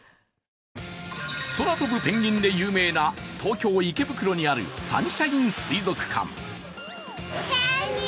空飛ぶペンギンで有名な東京・池袋にあるサンシャイン水族館。